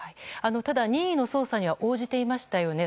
ただ、任意の捜査には応じていましたよね。